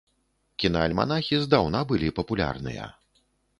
Кінаальманахі здаўна былі папулярныя.